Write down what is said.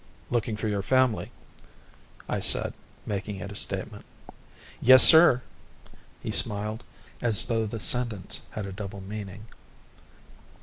"Looking for your family," I said, making it a statement. "Yessir." He smiled, as though the sentence had double meaning.